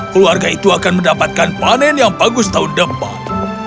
keluarga itu akan mendapatkan panen yang bagus tahun depan